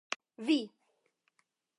Vi!!!